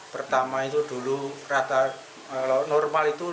pertama itu dulu rata kalau normal itu rp enam lima ratus